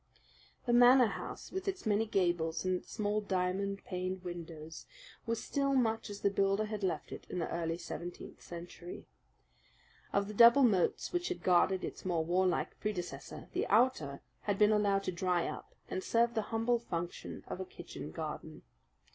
The Manor House, with its many gables and its small diamond paned windows, was still much as the builder had left it in the early seventeenth century. Of the double moats which had guarded its more warlike predecessor, the outer had been allowed to dry up, and served the humble function of a kitchen garden.